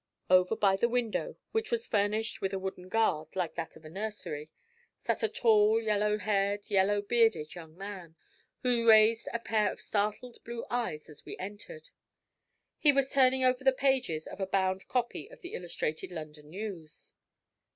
Over by the window (which was furnished with a wooden guard, like that of a nursery) sat a tall, yellow haired, yellow bearded, young man, who raised a pair of startled blue eyes as we entered. He was turning over the pages of a bound copy of the Illustrated London News.